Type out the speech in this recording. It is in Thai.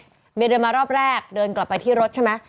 เมียเดินมารอบแรกเดินกลับไปที่รถใช่ไหม